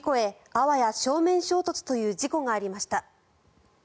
あわや正面衝突という事故がありました。